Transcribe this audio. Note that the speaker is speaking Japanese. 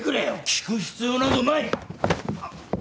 聞く必要などない！